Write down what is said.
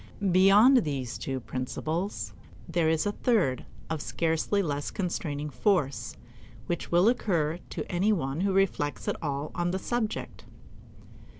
Beyond these two principles there is a third of scarcely less constraining force, which will occur to any one who reflects at all on the subject.